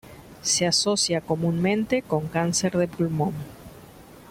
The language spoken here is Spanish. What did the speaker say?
Se asocia comúnmente con cáncer de pulmón.